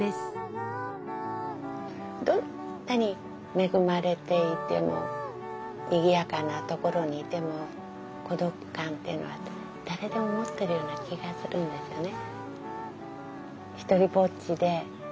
どんなに恵まれていてもにぎやかなところにいても孤独感っていうのは誰でも持ってるような気がするんですよね。